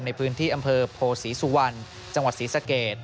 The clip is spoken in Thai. ในพื้นที่อำเภอโพศรีสุวรรณจังหวัดศรีสะเกด